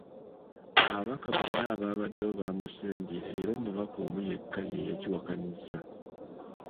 Ababaka bonna abaabaddewo baamusembye era omubaka omu yekka ye yakiwakanyizza.